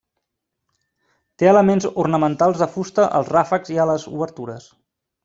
Té elements ornamentals de fusta als ràfecs i a les obertures.